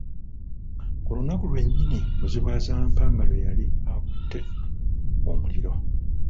Ku lunaku lwennyini Muzibwazaalampanga lwe yali akutte omuliro